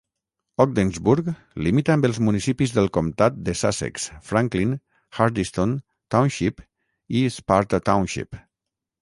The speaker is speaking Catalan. Ogdensburg limita amb els municipis del Comtat de Sussex, Franklin, Hardyston Township i Sparta Township.